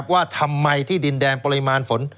ว่าทำไมที่ดินแดงปริมาณฝน